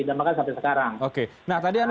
dan makanya sampai sekarang oke nah tadi anda